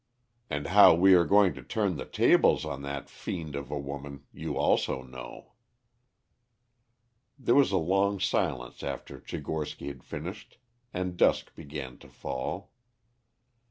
And how we are going to turn the tables on that fiend of a woman you also know." There was a long silence after Tchigorsky had finished and dusk began to fall.